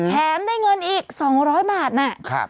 ได้เงินอีก๒๐๐บาทนะ